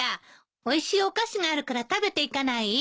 おいしいお菓子があるから食べていかない？